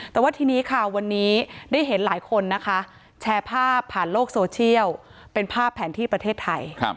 แต่ว่าทีนี้ค่ะวันนี้ได้เห็นหลายคนนะคะแชร์ภาพผ่านโลกโซเชียลเป็นภาพแผนที่ประเทศไทย